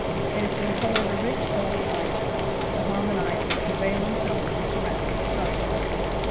It has been colored a rich old ivory, to harmonize with the prevailing tone of the surrounding structures.